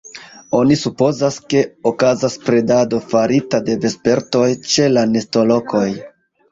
Oni supozas, ke okazas predado farita de vespertoj ĉe la nestolokoj.